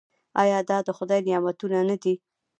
آیا دا د خدای نعمتونه نه دي؟